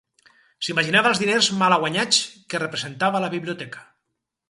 S'imaginava els diners malaguanyats que representava la biblioteca.